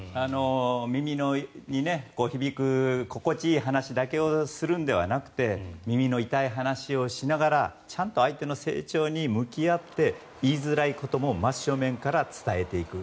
耳に響く、心地いい話だけをするんじゃなくて耳の痛い話をしながらちゃんと相手の成長に向き合って言いづらいことも真正面から伝えていく。